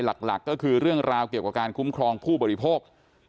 หลักก็คือเรื่องราวเกี่ยวกับการคุ้มครองผู้บริโภค